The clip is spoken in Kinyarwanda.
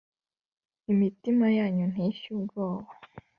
Imitima yanyu ntishye ubwoba